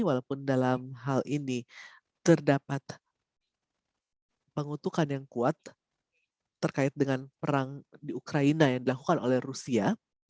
walaupun dalam hal ini terdapat pengutukan yang kuat terkait dengan perang di ukraina yang dilakukan oleh rusia